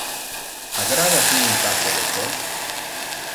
Agrada tu un tassa de the?